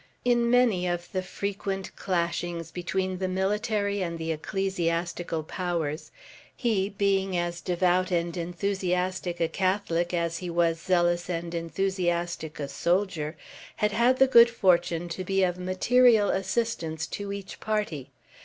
In many of the frequent clashings between the military and the ecclesiastical powers he, being as devout and enthusiastic a Catholic as he was zealous and enthusiastic a soldier, had had the good fortune to be of material assistance to each party.